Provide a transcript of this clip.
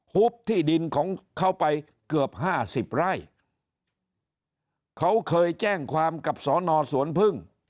ุบที่ดินของเขาไปเกือบห้าสิบไร่เขาเคยแจ้งความกับสอนอสวนพึ่ง